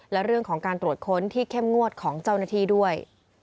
และเรื่องของการตรวจค้นที่เข้มงวดของเจ้าหน้าที่ด้วย